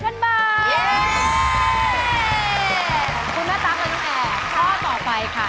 คุณแม่ตั๊กข้อต่อไปค่ะ